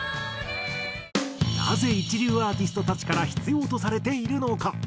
なぜ一流アーティストたちから必要とされているのか？